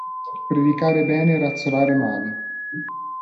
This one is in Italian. Predicare bene e razzolare male.